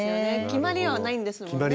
決まりはないんですもんね。